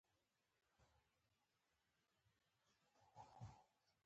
علاقې اخیستلو په دې عقیده کړ.